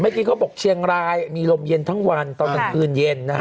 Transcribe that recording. จริงเขาบอกเชียงรายมีลมเย็นทั้งวันตอนกลางคืนเย็นนะฮะ